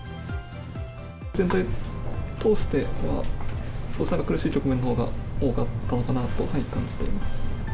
全体を通して、苦しい局面のほうが多かったのかなと感じています。